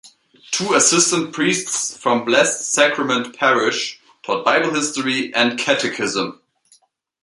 Two assistant priests from Blessed Sacrament Parish taught Bible history and Catechism.